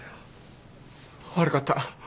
悪かった。